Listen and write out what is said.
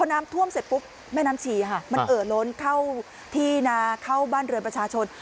น้ำท่วมเสร็จปุ๊บแม่น้ำชีค่ะมันเอ่อล้นเข้าที่นาเข้าบ้านเรือนประชาชน